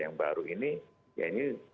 yang baru ini ya ini